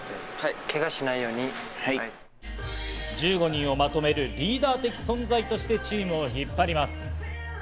１５人をまとめるリーダー的存在としてチームを引っ張ります。